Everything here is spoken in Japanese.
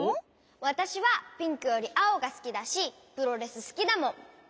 わたしはピンクよりあおがすきだしプロレスすきだもん！